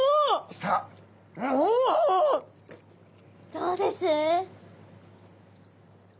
どうです？